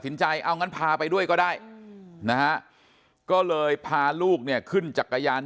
ใจเอางั้นพาไปด้วยก็ได้นะฮะก็เลยพาลูกเนี่ยขึ้นจักรยาน